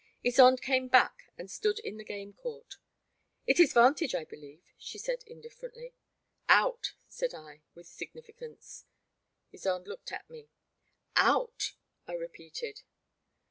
Ysonde came back and stood in the game court. It is vantage, I believe, she said, indifier ently. Out," said I, with significance. Ysonde looked at me. Out, I repeated.